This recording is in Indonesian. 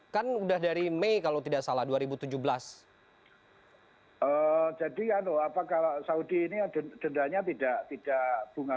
kan sudah dari mei kalau tidak salah dua ribu tujuh belas